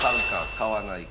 買わないか？